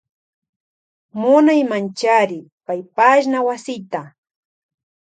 Munaymanchari paypashna wasita.